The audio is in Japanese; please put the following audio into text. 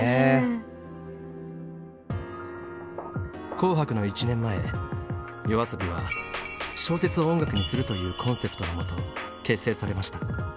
「紅白」の１年前ＹＯＡＳＯＢＩは「小説を音楽にする」というコンセプトのもと結成されました。